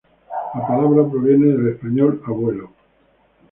La palabra proviene del español "abuelo".